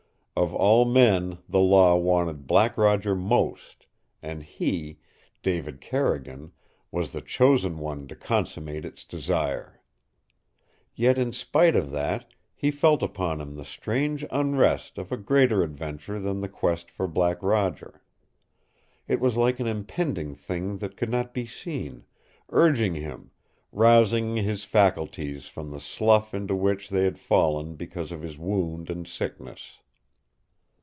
Of all men the Law wanted Black Roger most, and he, David Carrigan, was the chosen one to consummate its desire. Yet in spite of that he felt upon him the strange unrest of a greater adventure than the quest for Black Roger. It was like an impending thing that could not be seen, urging him, rousing his faculties from the slough into which they had fallen because of his wound and sickness.